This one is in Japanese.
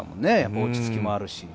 落ち着きもあるし。